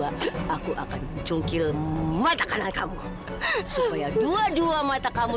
apa hubungannya sama dewi